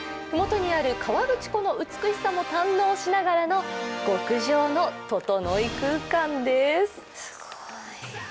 ふもとにある河口湖の美しさも堪能しながらの、極上のととのい空間です。